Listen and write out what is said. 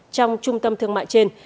trong trung tâm thương mại trên